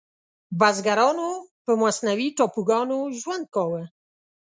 بزګرانو په مصنوعي ټاپوګانو ژوند کاوه.